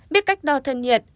biết cách đo thân nhiệt